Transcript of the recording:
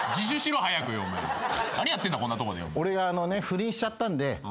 俺が不倫しちゃったんで。